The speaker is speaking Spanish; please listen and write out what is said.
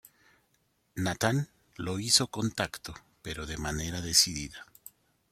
Natán lo hizo con tacto, pero de manera decidida.